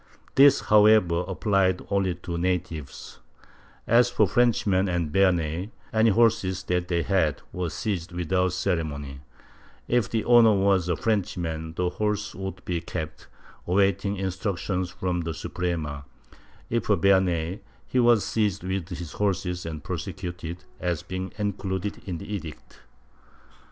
This however, applied only to natives; as for Frenchmen and Bearnais, any horses that they had v/ere seized without ceremony ; if the owner was a Frenchman, the horses would be kept, awaiting instructions from the Suprema; if a Bearnais, he was seized with his horses and prosecuted, as being included in the Edict.